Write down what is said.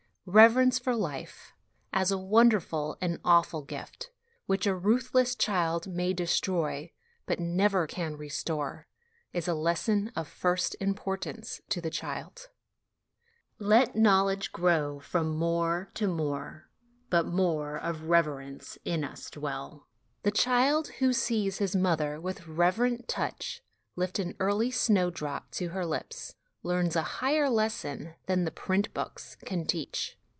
Reverence for life, OUT OF DOOR LIFE FOR THE CHILDREN 63 as a wonderful and awful gift, which a ruthless child may destroy but never can restore, is a lesson of first importance to the child :" Let knowledge grow from more to more ; But more of reverence in us dwell." The child who sees his mother with reverent touch lift an early snowdrop to her lips, learns a higher lesson than the ' print books ' can teach.